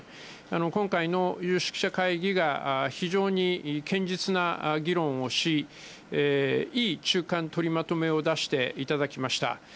今回の有識者会議が非常に堅実な議論をし、いい中間取りまとめを出していただきました。